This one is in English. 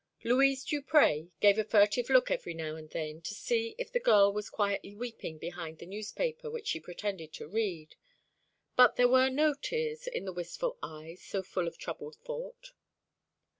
Louise Duprez gave a furtive look every now and then, to see if the girl was quietly weeping behind the newspaper which she pretended to read; but there were no tears in the wistful eyes, so full of troubled thought.